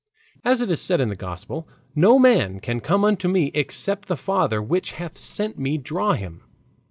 As it is said in the Gospel, "No man can come unto me, except the Father which hath sent me draw him."